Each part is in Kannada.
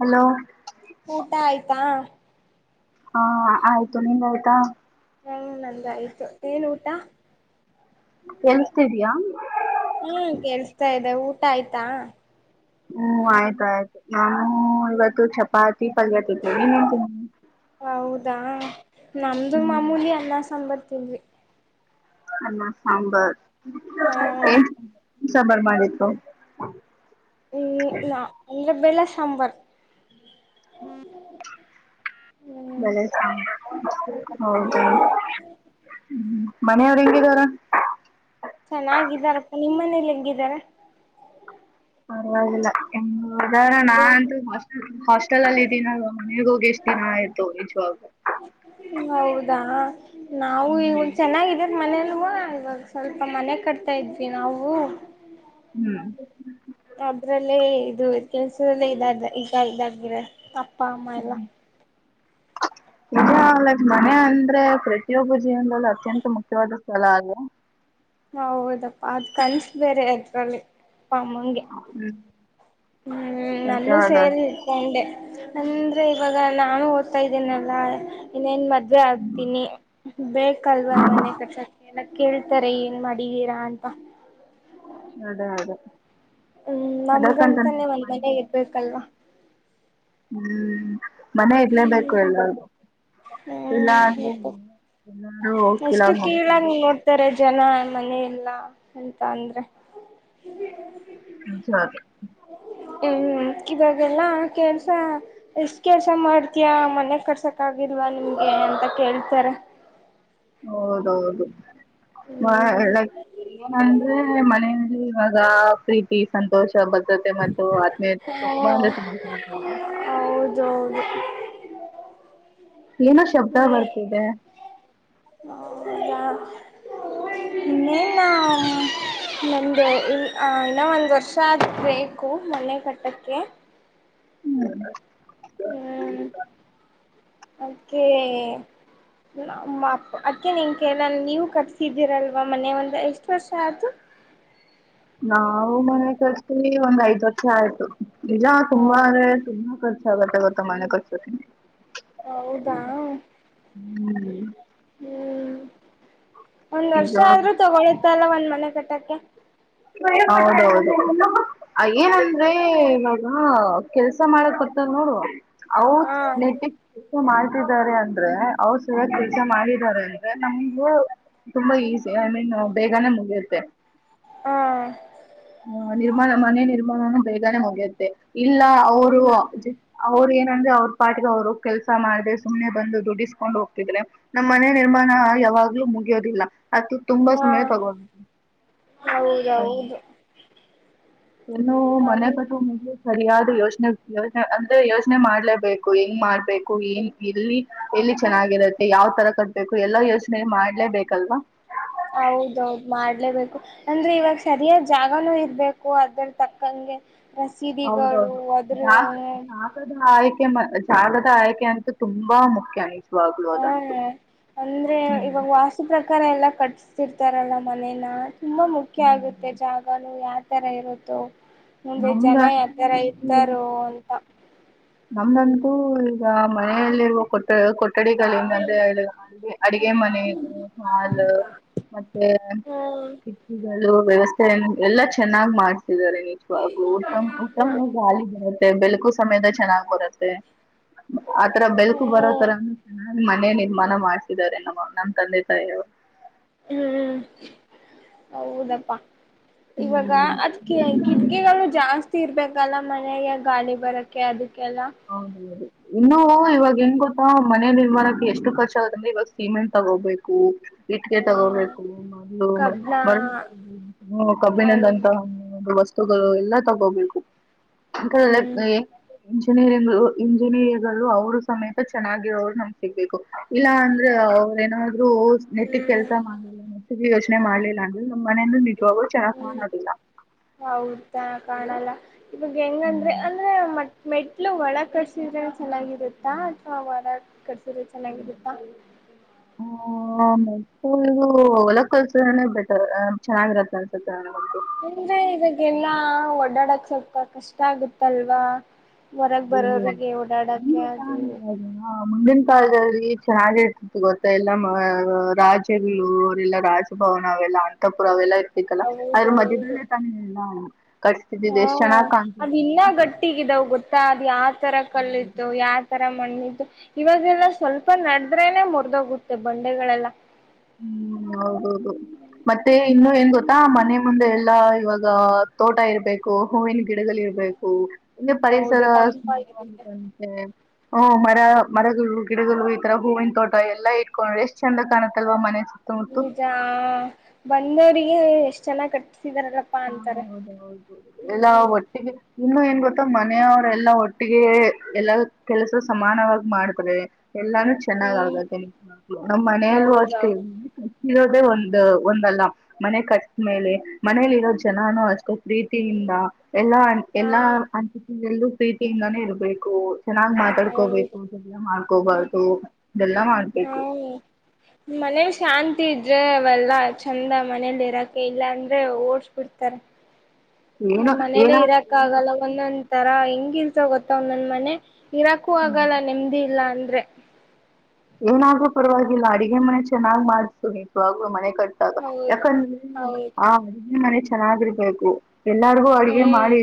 ಹಲೋ ಊಟ ಆಯ್ತಾ. ಹಾ ಆಯ್ತು ನಿಂದ ಆಯ್ತಾ. ಹ್ಮ್ಮ್ ನಂದಾಯಯ್ತು ಏನ್ ಊಟ. ಕೇಳಿಸ್ತಿದೀಯಾ ಹ್ಮ್ ಕಳ್ಸ್ತಾ ಇದೆ ಊಟ ಆಯ್ತಾ. ಹ್ಮ್ ಆಯ್ತ ಆಯ್ತು ನಾನು ಇವತ್ತು ಚಪಾತಿ. [unintelligible] ಪಲ್ಯ ಜೊತೆ ನೀ ಏನ್ ತಿಂದಿ. ಹೌದಾ ನಮ್ದು ಮಾಮೂಲಿ ಅನ್ನ ಸಾಂಬಾರ್ ತಿಂದ್ವಿ. ಅನ್ನ ಸಾಂಬಾರ ಹಾ ಏನ್ ಸಾಂಬಾರ್ ಮಾಡಿತ್ತು. ಹ್ಮ್ ನಾ ಅನ್ನ ಬೇಳೆ ಸಾಂಬಾರ್. ಹ್ಮ್. ಬ ಹ್ಮ್ ಹೌದು ಹಾ ಹ್ಮ. ಮನೆಯವ್ರು ಹೆಂಗಿದಾರ. ಚೆನ್ನಾಗಿದ್ದಾರಪ್ಪ ನಿಮ್ಮ ಮನೇಲಿ ಹೆಂಗಿದಾರ. ಪರ್ವಾಗಿಲ್ಲ ಅದೇ ನಾಂತು. ಮತ್ತಲಲ್ಲಿ ದಿನ ಮನೆಗೋಗಿ ಎಷ್ಟು ದಿನ ಆಯ್ತು ನಿಜವಾಗ. ಹ ನಾವು ಈಗ ಒಂದ ಚೆನ್ನಾಗಿದೇದ ಮನಲ್ ಇವಾಗ ಸ್ವಲ್ಪ ಮನೆ ಕಟ್. ತ ಇದ್ವಿ ನಾವು. ಹ್ಮ್. ಅದ್ರಲ್ಲೇ ಇದು ಕೆಲ್ಸದಲ್ಲ ಇದ ಈಗ ಇದಾಗರ. ಪಾಮ ಎಲ್ಲ. ಇ ಲೈಕ್ ಮನೆ ಅಂದ್ರೆ ಪ್ರತಿಯೊಬ್ಬ ಜೀವನದಲ್ಲಿೂ ಅತ್ಯಂತ ಮುಖ್ಯವಾದ ಸ್ಥಳ ಅದು. ಹೌದಪ್ಪಾ ಅದ್ ಕನ್ಸ ಬೇರೆ ಅದ್ರಲ್ಲಿಪ್ಪಮ್ಮಂಗೆ. ಹ್ಮ್ ಹ್ಮ್ ನನ್ನೂ ನಿಜವಾದ ಸೇರಿ ಇಟ್ಕೊಂಡೆ ಅಂದ್ರೆ ಇವಾಗ ನಾನು. ಹತಾ ಇದೇನಲ್ಲಾ ಇನ್ನೇನ್ ಮದ್ವೆ ಆಗ್ತೀನಿ ಬೇಕಲ್ವ ಮನೆ ಕಕ್ಷಕ್ಕೆ. ಏನ ಕೇಳ್ತಾರೆ ಏನ್ ಮಾಡಿದೀರಾ ಅಂತ. ಅದೇ ಅದೇ. ಹ್ಮ್ ನಮಗಂತಾನೇ ಒಂದ್ ಮನೆ ಇರ್ಬೇಕಲ್ವಾ. ಹ್ಮ್ ಮನ ಹ್ಮ್ ಇಡ್ಲೇಬೇಕು ಎಲ್ಲ. ಎಲ್ಲ. ಅಷ್ಟು ಕೀಳಂಗ ನೋಡ್ತಾರೆ. ಜನ ಮನ ಇಲ್ಲ ಎಂತ ಅಂದ್ರೆ. ನಿಜ ಅದು ಹ್ಮ್ ಇವಾಗೆಲ್ಲಾ ಕೆಲ್ಸ ಎಷ್ಟ ಕೆಲ್ಸ ಮಾಡ್ತಯ ಮನೆ ಕರ್ಸಕ್ ಆ. ಹಿಲ್ವಾ ನಿಮ್ಗೆ ಎಂತ ಕೇಳ್ತಾರೆ. ಹೌದೌದು ಮ ಹ್ಮ್ ಏನಂದ್ರೆ ಮನೆಯಲ್ಲಿ. ಹದಾ ಪ್ರೀತಿ ಸಂತೋಷ್. ಭದ್ರತೆ ಮತ್ತು ಆತ್ಮೀಯತೆ ತುಂಬಾ ಅಂದ್ರೆಂಬ. ಜ. [inaudible] ಏನೋ ಶಬ್ದ ಹ್ಮ ಬರ್ತಿದೆ ಹಾ. ನ ನ. ನಮ್ದು ಇ ಇನ್ನ ಒಂದ್ ವರ್ಷ ಆದ ಬು ಮೊನೆೆ ಕಟ್ಟಕ್ಕೆ. ಹ್ಮ್. ಅಕೆ. ನ ಅ ಅಕ್ಕೇ ನಿನ್ ಕೇಳ ನೀವು ಕಟ್ಸಿದ್ದೀರಲ್ವ ಮನ ಒಂದ ಎಷ್ಟ್ ವರ್ಷ ಆಯ್ತು. [inaudible] ನಾವು ಮನೆ ಖರ್ಚಿ ಒಂದ್ ಐದ್ ವರ್ಷ ಆಯ್ತು ಇಲ್ಲ ತುಂಬ ಹೌದಾ ಅ್ರ ತುಂಬಾ ಖರ್ಚು. ರ್ತ ಗರ್ತ ಮನೆ ಕೊರ್ತಿ. ಹ್ಮ. ಹೌದಾ ಹ್ಮ್ ಒಂದ್ ವರ್ಷ ಆದ್ರೂ ತಗೊಳ್ಳಿತ್ತಲ್ಲ ಒಂದ್ ಮನೆ ಕಟ್ಟಕ್ಕೆ. ಹೌ ಏನಂದ್ರೆ ಮಾಡ. ಹಾ ಕೆಲ್ಸ ಮಾಡಕ್ ಬರ್ತದ ನೋಡು ಅವ ಹಾ ನೆಟ್ಟ. ಮಾಡ್ತಿದ್ದಾರೆ ಅಂದ್ರೆ ಅವ್ರ ಸ ಕೆಲಸ ಮಾಡಿದ್ದಾರೆ ಅಂದ್ರೆ ನಮ್ಗು ತುಂಬಾ ಈಸಿ. ಐ ಮೀನ್ ಬೇಗಾನ ಮುಗಿಯುತ್ತೆ. ಹಾ. ಹ ನಿರ್ಮಾಣ ಮನೆ ನಿರ್ಮಾಣಾನ ಬೇಗನೆ ಹೋಗ್ಯುತ್ತೆ ಇಲ್ಲ ಅವರು ಹ್ಮ್ ಅವರು ಏ ್ರೆ ಅವ್ರ ಪಾಟ್ಿಗೆ ಅವರು ಕೆಲ್ಸ ಮಾಡ್ರೆ ಸುಮ್ನೆ ಬಂದು ದುಡ್ಡಿಸ್ಕೊಂಡ್ ಹೋಗ್ತಿದ್ರ ನಮ್ಮ್ ಮನೆ ನಿರ್ಾಣ ಯಾವಾಗ್ಲೂ ಮುಗಿಯೋದಿಲ್ಲ ಅ ತುಂಬಾ ಹಾ ಸಮಯ ತಗೋ ಹ ಹೌದೌದು ಏನ್ನು ನಮ ಮನೆ ಕಟ್ಟು ಮು್ಲಿ ಸರಿಯಾದ ಯೋಚನೆ ಯೋನೆ ಅಂದ್ರೆ ಯೋಜನೆ ಮಾಡ್ಲೇಬೇಕು ಹೆಂಗ್ ಮಾಡ್ಬೇಕು ನ್ ಇಲ್ಲಿ ಇಲ್ಲಿ ಚೆನ್ನಾಗಿರುತ್ತೆ ಯಾವ್ ತರ ಕಟ್ಬೇಕು ಎಲ್ಲಾ ಯೋಚನೆ ಮಾಡ್ಲೇಬೇಕಲ್ವಾ ಹೌದೌದು ಮಾಡ್ಲೇಬೇಕು ಅಂದ್ರೆ ಇವಾಗ ಸರಿಯಾದ್ ಜಾಗನೂ ಇರ್ಬೇಕು ಅದ್ರ ತಕ್ಕಂಗೆ ರಸೀದಿಗಳು ಹೌದೌದು ಅದ್ರ ಜಾಗ ದಾಕದಕ ಜಾಲದ ಆಯ್ಕೆ ಅಂತೂ ತುಂಬಾ ಮುಖ್ಯ ನಿಜವಾಗ್ಲು ಹ್ಮ ಅದಂತೂ. ಅಂದ್ರೆ ಹ್ಮ್ ಇವಾಗ ವಾಸತು ಪ್ರಕಾರ ಎಲ್ಲಾ ಕಟ್ ಇರ್ತಾರಲ್ಲ ಮನೇನ ತುಂಬಾ ಮುಖ್ಯ ಆಗುತ್ತೆ ಹ್ಮ್. ಜಾಗನು ಯಾವ ತರ ಇರುತ್ತೋ ಮುಂದೆ ಜನ ಯತರ ನಮ್ದಂತೂ ಇದ್ದಾರೋ ಅಂತ ನಮ್ದಂತೂ ಈಗ ಮನೆಯಲ್ಲಿರುವ ಕೊಟ್ಟೆ ಕೊಟ್ಟ ಕಡೆಿಂದ ಅಂದ್ರೆ ಅಡಗೆ ಮನೆ ಇದು ಹಲ್ ಮತ್ತೆ ಹ್ಮ್ ಕಿಟ್ಟಿಗಳು ವ್ಯವಸ್ಥೆ ಎಲ್ಲ ಚೆನ್ನಾಗ್ ಮಾಡ್ತಿದ್ದಾರೆ ನಿಜವಾಗ್ಲೂ ಉತ್ತಮ ಉತ್ತಮವಾಗಿ ಹಾಲ ಮೆ ಬೆಳ್ಕು ಸಮಯದ ಚೆನ್ನಾಗ್ ಬರುತ್ತೆ ಆತರ ಬೆಳ್ಕು ಬರೋ ಹ್ಮ್ ತರ ನ ಮನೆ ನಿರ್ಮಾಣ ಮಾಡ್ಸಿದಿದ್ದಾರೆ ನಮ್ಮ ನಮ್ ತಂದೆ ತಾಯಿಯವರು ಹ್ಮ್ ಹೌದಪ್ಪಾ ಇವಾಗ ಅದ್ ಹ್ಮ್ ಕಿಕಿಗಳು ಜಾಸ್ತಿ ಸೀರ್ಬೇಕಲ್ಲ ಮನೆಗೆ ಗಾಳಿ ಬರಕ್ಕೆೆ ಅದಕ್ಕೆ ಹೌದೌದು ಇನ್ನುೂ ಇವಾಗ ಹೆಂಗ್ ಗೊತ್ತು ಮನೆ ನಿರ್ಮಾಣಕ್ಕೆ ಎಷ್ಟು ಖರ್ಚ ಆಗದಂದ್ರೆ ಇವಾಗ ಸಿಮೆಂಟ್ ತಗೋಬೇಕು ಇಟ್ಟಕ ಹ್ಮ ತಗೋಬೇಕು ಕಬ್ಣ ಮ ಅವು ಕಬ್ಬಿನದಂತಹತ ತಗೋ ಎಲ್ಲ ತಗೋಬೇಕು ಹ್ಮ್ ಇಂಜಿನಿಯರಿಂಗ ಇಂಜಿನಿಯರಿಗಳು ಅವರು ಸಮೇತ ಚೆನ್ನಾಗಿರೋರು ನಮ ಸಿಗ್ಬೇಕು ಇಲ್ಲ ಅಂದ್ರೆ ಅವ್ರ ಏನಾದ್ರು ನೆಟ್ಟಿಗೆ ಹ್ಮ್ ಕೆಲ್ಸ ಮಾಡಲ್ಲ ನೆಟ್ಟಿಗೆ ಎಷ್ಟ ಮಾಡ್ಲಿಲ್ಲ ಅಂದ್ರೆ ನಮ್ ಮನೆಯಂದ ನಿಜವಾಗೂ ಚೆನ್ನ ಹ್ಮ್ ಕಾಣೋದಿಲ್ಲ ಹೌದಾ ಕಾಣಲ್ಲ ಇವಾಗ ಹೆಂಗಂದ್ರೆ ಹ್ಮ್. ಅಂದ್ರೆ ಮ ಮೆಟ್ಲು ಒಳ ಕಟ್ಸಿದ್ರೆ ಚೆನ್ನಾಗಿರುತ್ತಾ ಅಥವಾ ಹೊರ ಕಡ್ಸಿದ್ರೆ ಚೆನ್ನಾಗಿರುತ್ತಾ ಹ ಮ ಹೊಲ ಕಲ್ಸದ್ರನನೆ ಬೆಟರ್ ಚೆನ್ನಾಗಿರತ್ತ ಅನ್ಸತ್ತ ಇಂದ್ರೆ ಇದವಾಗಲ್ಲಾ ಓಡಾಡಕ್ ಸ್ವಲ್ಪ ಕಷ್ಟ ಆಗುತ್ತಲ್ವಾ ಹೊರಗೆ ಇಲ್ಲ ಬರೋರಿಗೆ ಓಡಾಡಕ್ಕೆ ನಿಮ್ಗೂ ಅದು ಚೆನ್ನಾಗಿರೋದು ಮುಂದಿನ ಕಾಲದಲ್ಲಿ ಚೆನ್ನಾಗಿ ಇರ್ತಿತ್ತು ಗೊತ್ತ ಎಲ್ಲ ರಾಜ್ಯಗಳು ಅವರೆಲ್ಲಾ ರಾಜ ಭವನ್ ಅವೆಲ್ಲ ಅಂತಪುರ ಅವೆಲ್ಲ ಲ್ಲ ಆದ್ರ ಮದೆ ಹೌದೌದು ತ ಎಲ್ಲ ಕಟ್ಿಸ್ತಿದ್ದಿದೆ ಎಷ್ಟ ಚೆನ್ನಾಗ್ ಕಾಣ್ತಲ್ಲ್ಲ ಗೊತ್ತಾದ್ ಯಾವ್ ತರ ಕಲ್ತ್ತು ಯಾವ ತರ ಮಣ್ಣಿದ್ದು ಇವಾಗೆಲ್ಲ ಸ್ವಲ್ಪ ನಡದ್ರೆನೆ ಮುರದೋಗುತ್ತೆ ಬಂಡೆಗಳೆಲ್ಲ ಹ್ಮ್ ಹೌದೌದು ಮತ್ತೆ ಇನ್ನು ಏನ್ ಗೊತ್ತಾ ಮನೆ ಮುಂದೆ ಎಲ್ಲಾ ಇವಾಗ ತೋಟ ಇರ್ಬೇಕು ಹೂವಿನ ಗಿಡದಲ್ಲಿ ಇರಬೇಕು ಇ ಪರಿಸರ ಹೌದು ತಂಪಾಗಿರುತ್ತೆ ಸುಂದರವಂತೆ ಮರಗಳು ಗಿಡಗಳು ಈತರ ಹೂವಿನ ತೋಟ ಎಲ್ಲ ಇಟ್ಕೊಂಡ್ರೆ ಎಷ್ಟ್ ಚಂದ ಕಾಣುತ್ತಲ್ವ ಮನಸ ಈಜ ಆ ಬಂದವ್ರಿಗೆ ಎಷ್ಟ್ ಚೆನ್ನಾಗ ಕಟ್ಟ ಹೌದೌದು ಎಲ್ಲ ಹ್ಮ್ ಒಟ್ಟಿಗೆ ಇನ್ನು ಏನ್ ಗೊತ್ತ ಮ ಮನೆಯವ್ರ ಎಲ್ಲಾ ಒಟ್ಟಿಗೆ ಎಲ್ಲ ಕೆಲಸ ಸಮಾನವಾಗಿ ಮಾಡ್ತಾರೆ ಎಲ್ಲಾನು ಚೆನ್ನಾಗ ಹ್ಮ್ ಆಗುತ್ತೆ ನಿ ನಮ್ಮ್ ಮನಲ್ಲೂ ಅಷ್ಟೇ ಹೌದೌದು ಇಲ್ಲ ಇರೋದೇ ಒಂದು ಒಂದಲ್ಲ ಮನೆ ಕಷ್ಟ ಮೇಲೆ ಮನಲಿ ಎಲ್ಲ ಜನಾನು ಅಷ್ಟು ಪ್ರೀತಿಯಿಂದ ಎಲ್ಲಾ ಹಾ ಎಲ್ಲಾ ಅಂಟಲ್ಲೂ ಪ್ರೀತಿಯಿಂದಾನೇ ಇರ್ಬೇಕು ಚೆನ್ನಾಗ್ ಹ್ಮ್ ಹೌದು ಮಾತಾಡ್ಕೋಬೇಕು ಚೆಂದ ಮಾಡ್ಕೋಬಾರದು ಹಾ ಮನ ಶಾಂತಿ ಇದ್ದ ಆದ್ರೆ ಅವಲ್ಲ ಚಂದ ಮನೇಲಿ ಇರಾಕ ಇಲ್ಲ ಅಂದ್ರೆ ಓಡ್ಸ್ ಬಿಿಡ್ತಾರೆ ಹ ಏನೋ ಏನ ಮನೇಲೆೇ ಇರಾಕ್ ಆಗಲ್ಲ ಒಂದೊಂದ್ ತರಾ ಹೆಂಗಿಲ್ಸ ಗೊತ್ತವ ನಂದ ಮನೆ ಇರಾಕೂ ಆಗಲ್ಲ ನೆಮದಿ ಇಲ್ಲ ಅಂದ್ರೆ ಏನಾದ್ೂ ಪರವಾಗಿಲ್ಲ ಅಡಿಗೆ ಮನೆ ಚೆನ್ನಾಗ್ ಮಾಡ್ಸು ನಿು ಆಲೂ ಮನೆ ಕಟ್ಟಾಗ ಹೌದು ಯಾಕಂದ್ರೆ ಹೌದು ಆ ಅಡು ಮನೆ ಚೆನ್ನಾಗಿರ್ಬೇಕು ಎಲ್ಲಾರಿಗೂ ಅಡಗೆ ಹ್ಮ್ ಮಾಡಿ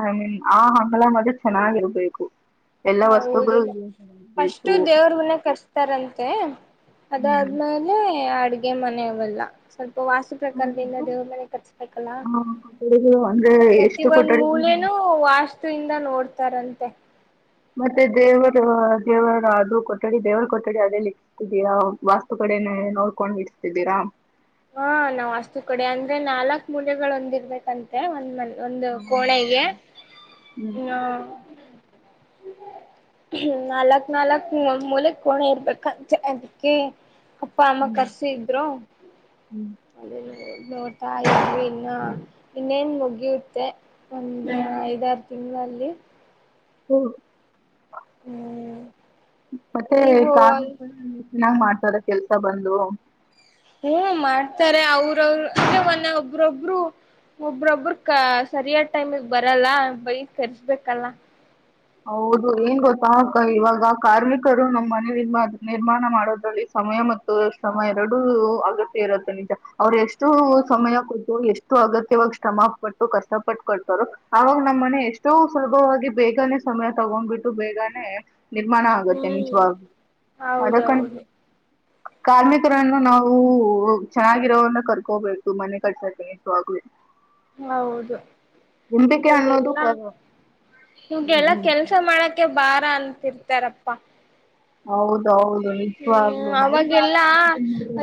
ಐ ಮೀನ್ ಆ ಹಮಲ ಮದೆ ಚೆನ್ನಾಗಿರ್ಬೇಕು ಎಲ್ಲ ಹೌದು ವಸ್ತುಗಳುಬೇಕು ಕರ್ಸ್ತಾರಂತೆ ಹ್ಮ್ ಅದಾದ್ಮೇಲೆ ಅಡ್ಗೆ ಮನೆವಲ್ಲ ಸ್ವಲ್ಪ ವಾಸು ಪ್ರಕಾರದ ಇಿಂದ ದೇವ್ರ ಮನೆ ಕಟ್ಸ್ಬೇಕಲ್ಲ ಹ ಕೊಠಡಿಗಳು ಅಂದ್ರೆ ಪ್ರತಿ ಎಷ್ಟು ಒಂದ್ ಕೊಠಡಿಗಳು ಮೂಲೆನೂ ವಾಸ್ತುವಿಂದ ನೋಡ್ತಾರಂತೆ ಮತ್ತೆ ದೇವರು ದೇವರ ಅದು ಕೊಠಡಿ ದೇವರ ಕೊಠಡಿ ಅದೇ ಇಕ್ಕತಿದಯಾ ವಾಸ್ತು ಕೊ ೇ ನೋಡ್ಕೊಂಡ್ ಇರ್ತಿದ್ದೀರಾ ಹಾ ನಾವ್ ಅಸ್ತು ಕೊಡೆ ಅಂದ್ರೆ ನಾಲ್ಕ್ ಮೂಲೆಗಳು ಒಂದಿರ್ಬೇಕಂತೆ ಒಂದ್ ಮನೆ ಒಂದು ಕೋಳೆಗೆ ಹ್ಮ್ ಹ ್ಮ ನಾಲ್ಕ್ ನಾಲ್ಕ್ ಮೂಲೆ ಕೋಣೆ ಇರ್ಬೇಕಂತೆ ಅದಕ್ಕೆ ಅಪ್ಪ ಅಮ್ಮ ಹ್ಮ್ ಕರ್ಸಿ ಇದ್ರು ಹ್ಮ್ ನೋಡ್ತಾ ಇದ್ವಿ ಇನ್ನ ಇನ್ನೇನ್ ಮುಗಿಯುತ್ತೆ ಒ ಐದ ತಿಂವಲ್ಲಿ ಹ್ಮ ಹ್ಮ್ ಮತ್ತೆ ನೀವು ಕ ಚೆನ್ನಾಗಿ್ ಮಾಡ್ತ ರ ಕೆಲ್ಸ ಬಂದು ಹ್ಮ್ ಮಾಡ್ತಾರೆ ಅವ್ರವರು ಅೆ ಮೊನ್ನ ಒಬ್ರೊಬ್ರು ಒಬ್ರೊಬ್ಬರು ಕ ಸರಿಯಾದ ಟೈಮಗ್ ಬರಲ್ಲ ಬೈ ಕರ್ಸ್ಬೇಕಲ್ಲ ಹೌದು ಏನ್ ಗೊತ್ತಾ ಇವಾಗ ಕಾರ್ಮಿಕರು ನಮ್ಮ್ ಮನೆ ನಿರ್ಮ ನಿರ್ಮಾಣ ಮಾಡೋದ್ರಲ್ಲಿ ಸಮಯ ಮತ್ತು ಶಯ ಎರಡು ಅಗತ್ಯ ಇರುತ್ತೆ ನಿಜ ಅವ್ರು ಎಷ್ಟು ಸಮಯ ಕೂತೋ ಎಷ್ಟು ಅಗತ್ಯವಾಗಿ ಶ್ರಮ ಪಟ್ಟು ಕಷ್ಟ ಪಟ್ಟ ಕೊೊಡ್ತಾರರು ಆಾಗ ನಮ್ಮ್ ಮನೆ ಎಷ್ಟೋ ಸುಲಭವಾಗಿ ಬೇಗನೆ ಸಮಯ ತಗೊಂಡ್ಬಿಟ್ಟು ಬೇಗಾನನೆ ನಿರ್ಮಾಣ ಆಗತ್ತೆ ಹ್ಮ್ ನಿಜವಾಗಿ ಅದಕ್ಕಂತ ಹೌದೌದು ಕಾರ್ಮಿಕರನ್ನು ನಾವು ಚೆನ್ನಾಗಿರೋನ್ನ ಕರ್ಕೋಬೇಕು ಮನೆ ಕರ್ಸಾಗೂ ಹೌದು ಅನ್ನೋದು ನಿವಾಗಲ್ಲಾ ಕ- ಹ್ಮ್ ನಿವಗೆಲ್ಲಾ ಹ್ಮ್ ಕೆಲ್ಸ ಮಾಡಕ್ಕೆೆ ಬಾ ಅಂತಿರ್ತಾರಪ್ಪಾ ಹೌದು ಹ್ಮ್ ಅವಾಗೆಲ್ಲಾ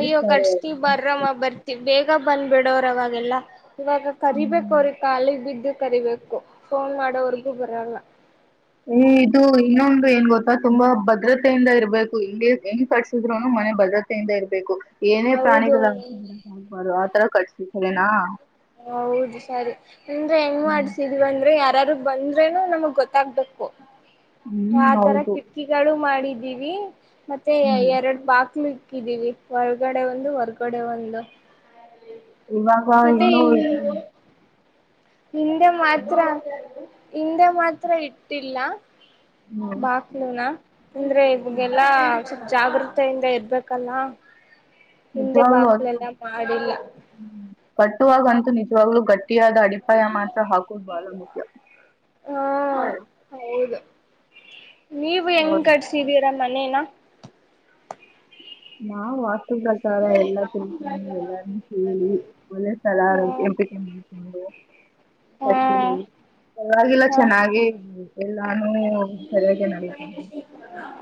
ಅಯ್ಯೋ ಕಟ್ಸ್ತಿೀ ಬರಮ್ಮ ಬರ್ತಿ ಬೇಗ ಬಂದ್ಬಿಡೋವ್ರ ಅವವಾಗೆಲ್ಲಾ ಇವಾಗ ಕರಿಬೇಕ ಅವ್ರಿಗೆ ಕಖಾಲಿ ಬಿದ್ದು ಕರಿಬೇಕು ಫೋನ್ ಮಾಡೋವರ್ಗೂ ಬರಲ್ಲ ಇದು ಇನ್ನೊಂದು ಏನ್ ಗೊತ್ತಾ ತುಂಬಾ ಭದ್ರತೆಯಿಂದ ಇರ್ಬೇಕು ಹಿಂಗಗೆ ಹೆಂಗ್ ಕಟ್ಸಿದ್ರುನು ಮನೆ ಭದ್ರತೆಯಿಂದ ಇರ್ಬೇಕು ಏನೇ ಹೌದು ಪ್ರಾಣಿಗಳ ಆಗ್ಬಾರು ಆತರ ಕಟ್ತನಾ ಹೌದು ಸರಿ ನಿಂದ್ರೆ ಹೆಂಗ್ ಹ್ಮ್ ಮಾಡ್ಸಿದೀಂದ್ರೆ ಯಾರಾರು ಬಂದ್ರೆನು ನಮಗ್ ಗೊತ್ತಾಗ್ಬೇಕು ಹ್ಮ್ ಆತರ ಹೌದು ಕಿಟಕಿಗಳು ಮಾಡಿದ ೀವಿ ಮತ್ತೆ ಹ್ಮ್ ಎರಡು ಸ್ನಾನಗೃಹ ಹಾಕಿದೀವಿ ಹೊರ್ಗಡೆ ಒಂದು ಹೊರ್ಗಡೆ ಒಂದು ಇವಾಗ ಮತ್ತೆ ಇನ್ನೂ ವ ಹಿಂದೆ ಮಾತ್ರ ಹಿಂದೆ ಮಾತ್ರ ಇಟ್ಟಿಲ್ಲ ಹ್ಮ್ ಬಾಕ್ಲೂನಾ ಅಂದ್ರೆ ಇವಗೆಲ್ಲಾ ಜಾಗೃತೆಯಿಂದ ಇರ್ಬೇಕಲ್ಲ ಹಿಂದೆ ನಿಜವಾಗ್ಲೂ ಬಕ್ಲೆಲ್ಲ ಮಾಡಿಲ್ಲ ಕಟ್ಟುವಾಗ ಅಂತೂ ನಿಜವಾಗ್ಲುೂ ಗಟ್ಟ ಿಯಾದ ಅಡಿಪಾಯ ಮಾಸ ಹಾಕುದು ಬಳ ಮುಖ್ಯ ಹಾ ಹೌದು ನೀವು ಹೆಂಗೆ ಹೌದು ಕಟ್ಿಸಿದ್ದೀರಾ ಮನೇನಾ ನಾ್ ಪ್ರಕಾರ ಎಲ್ಲಾ ತಿಳ್ಕೊಂಡು ಎಲ್ಲಾರನ್ನೂ ಕೇಳಿ ಒಲ ಸ್ಲ ಆರೋಗ್ಯ ಹ್ಮ್ ಎಂಪಿಕೆ ಮಾಡಿಕೊಂಡು ಅತೆ ಹ್ಮ್ ಪವಾಗಿಲ್ಲ ಹ್ಮ್ ಚೆನ್ನಾಗಿ ಎಲ್ಲಾನು ಸರಿಯಾಗಿ ನಡೀತಿದ್ದೆ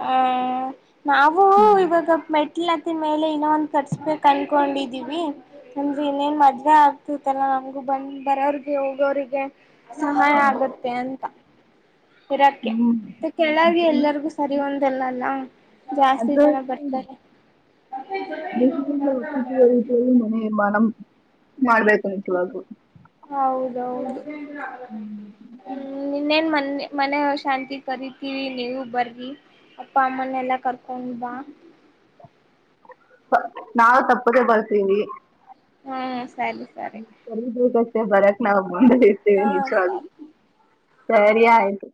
ಹ್ ನಾವು ಇವಾಗ ಮೆಟ್ಲ ಮೇಲೆ ಇನ್ನೊ ಒಂದ್ ತರ್ಸ್ಬೇಕಕ್ ಅನ್ಕೊಂಡಿದೀವಿ ಅಂದ್ರೆ ಇನ್ನೇನ್ ಮಜ್ವೆಾ ಆಗ್ತತ್ತಲ್ಲ ನಮಗು ಬಂದ ಬರೋರ್ಗೆ ಹೋಗೋರಿಗೆ ಸಹಾಯ ಆಗತ್ತೆ ಅಂತ ಇರಕೆ ಹ್ಮ್ ಮತ್ತ ಕೆಳಗೆ ಎಲ್ಲರಿಗೂ ಸರಿ ಒಂತ ಲ್ಲಲ್ಲ ಜಾಸ್ತಿ ಜನ ಅದ್ರಲ್ಲಿ ಬರ್ತಾರೆ ಮನೆ ಮನ ಮಾಡ್ಬೇಕುಂಂತವಾಗು ್ಮ ನಿನ್ನೇನ್ ಮ ಮನ ಶಾಂತಿ ಕರಿತೀವಿ ನೀವು ಬರ್ಗಿ ಅಪ್ಪ ಅಮ್ಮನ್ನೆಲ್ಲಾ ಕರ್ಕೊಂಡ್ ಬಾ ಕಟ್ಟೆ ಬರ್ತೀವಿ ಹ್ಮ್ ಸರಿ ಸರಿ ಸರಿಬೇಕಷ್ಟೆ ಬರಕ್ ನಾವು ಮುಂದೆ ಇರ್ತೇವೆ ಹಾ ನಿಜ ಆ ಸರಿ ಸರಿ ಆಯ್ತು